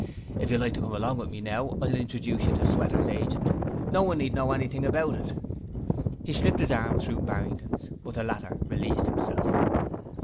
If you like to come along with me now, I'll introduce you to Sweater's agent no one need know anything about it.' He slipped his arm through Barrington's, but the latter released himself.